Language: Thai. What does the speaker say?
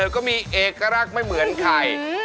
ก็มีเอกลักษณ์ไม่เหมือนใคร